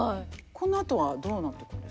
このあとはどうなっていくんですか。